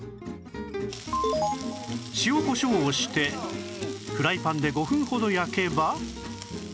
塩こしょうをしてフライパンで５分ほど焼けば